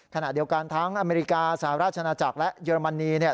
ขณะเดียวกันทั้งอเมริกาสหราชนาจักรและเยอรมนีเนี่ย